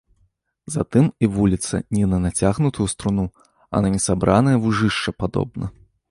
Затым і вуліца не на нацягнутую струну, а на несабранае вужышча падобна.